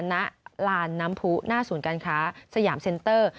ณลานน้ำผู้หน้าศูนย์การค้าสยามเซ็นเตอร์